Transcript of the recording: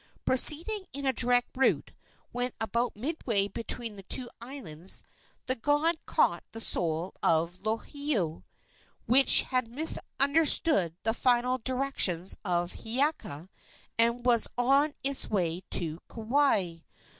Proceeding in a direct route, when about midway between the two islands the god caught the soul of Lohiau, which had misunderstood the final directions of Hiiaka and was on its way to Kauai.